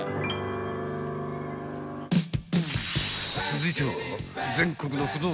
［続いては］